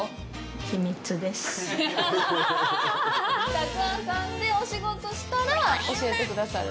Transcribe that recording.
沢庵さんでお仕事したら教えてくださる？